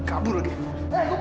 kau mau kemana sih maudie